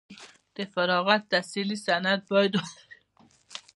د فراغت تحصیلي سند باید ولري.